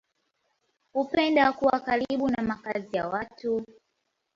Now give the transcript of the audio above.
Hupenda kuwa karibu na makazi ya watu.